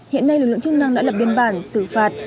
hiện nay lực lượng chức năng đã lập biên bản xử phạt